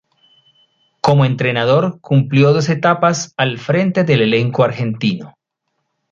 Como entrenador cumplió dos etapas al frente del elenco argentino.